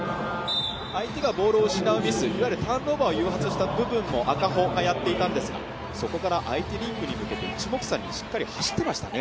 相手がボールを失うミスいわゆるターンオーバーを誘発した部分も赤穂がやっていたんですがそこから、相手リングに向けていちもくさんにしっかり走っていましたね。